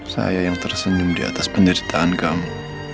saya yang tersenyum di atas penderitaan kamu